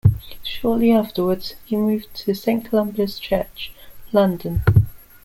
Shortly afterwards, he moved to Saint Columba's Church, London.